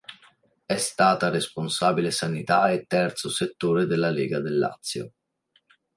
È stata responsabile sanità e terzo settore della Lega del Lazio.